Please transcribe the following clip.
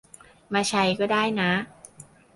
มาใช้ก็ได้นะ